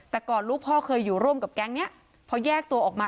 แต่ก่อนลูกพ่อเคยอยู่ร่วมกับแก๊งนี้พอแยกตัวออกมา